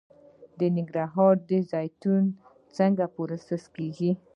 د ننګرهار زیتون څنګه پروسس کیږي؟